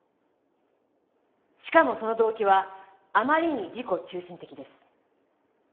しかもその動機はあまりに自己中心的です。